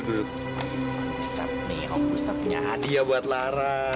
gustaf nih oh gustaf punya hadiah buat lara